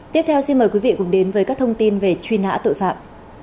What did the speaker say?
tiếp theo xin mời quý vị cùng đến với các thông tin về truy nã tội phạm